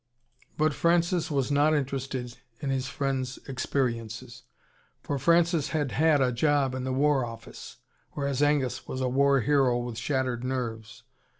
But Francis was not interested in his friend's experiences. For Francis had had a job in the War Office whereas Angus was a war hero with shattered nerves.